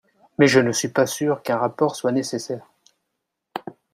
Mais je ne suis pas sûr qu’un rapport soit nécessaire.